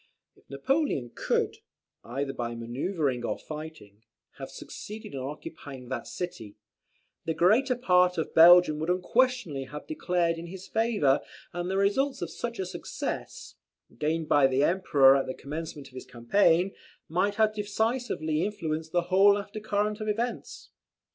If Napoleon could, either by manoeuvring or fighting, have succeeded in occupying that city, the greater part of Belgium would unquestionably have declared in his favour; and the results of such a success, gained by the Emperor at the commencement of the campaign, might have decisively influenced the whole after current of events.